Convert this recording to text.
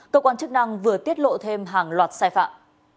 cơ quan chức năng vừa tiết lộ thêm hàng loạt sai phạm